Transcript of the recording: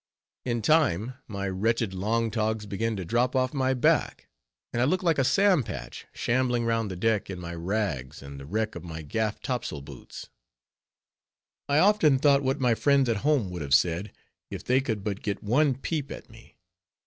In time, my wretched "long togs" began to drop off my back, and I looked like a Sam Patch, shambling round the deck in my rags and the wreck of my gaff topsail boots. I often thought what my friends at home would have said, if they could but get one peep at me.